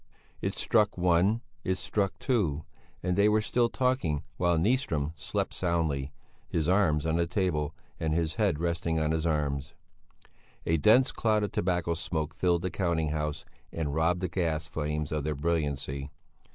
It struck one it struck two and they were still talking while Nyström slept soundly, his arms on the table, and his head resting on his arms. A dense cloud of tobacco smoke filled the counting house and robbed the gas flames of their brilliancy.